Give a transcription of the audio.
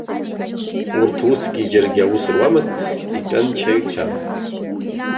Урҭ усгьы џьаргьы аус руамызт, итәанчаҩцәан.